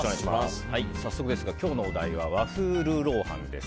早速ですが今日のお題は和風ルーロー飯です。